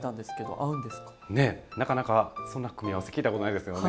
ねえなかなかそんな組み合わせ聞いたことないですよね？